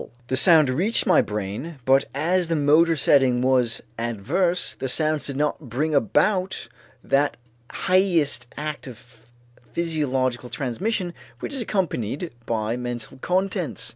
The sound reached my brain but as the motor setting was adverse, the sounds did not bring about that highest act of physiological transmission which is accompanied by mental contents.